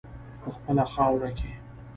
په خپله خاوره کې.